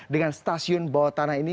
dengan stasiun bawah tanah ini